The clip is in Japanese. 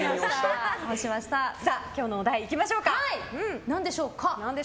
今日のお題、いきましょうか。